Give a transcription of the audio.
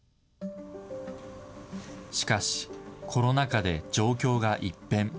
しかし、コロナ禍で状況が一変。